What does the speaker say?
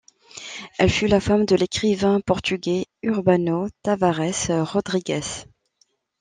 Elle fut la femme de l'écrivain portugais Urbano Tavares Rodrigues.